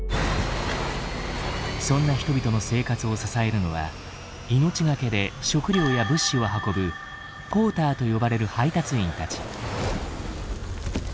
そんな人々の生活を支えるのは命懸けで食料や物資を運ぶ「ポーター」と呼ばれる配達員たち。